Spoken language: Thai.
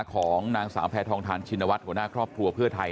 ของนางสาวแพทองทานชินวัฒน์หัวหน้าครอบครัวเพื่อไทย